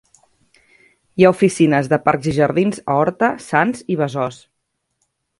Hi ha oficines de Parcs i Jardins a Horta, Sants i Besòs.